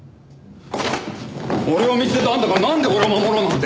俺を見捨てたあんたがなんで俺を守ろうなんて。